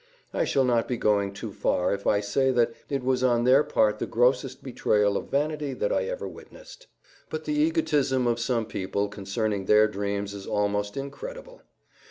I shall not be going too far if I say that it was on their part the grossest betrayal of vanity that I ever witnessed. But the egotism of some people concerning their dreams is almost incredible.